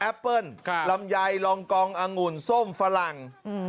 เปิ้ลลำไยรองกองอังุ่นส้มฝรั่ง